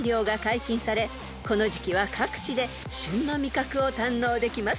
［この時季は各地で旬の味覚を堪能できます］